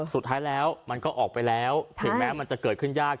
สุดท้ายแล้วมันก็ออกไปแล้วถึงแม้มันจะเกิดขึ้นยาก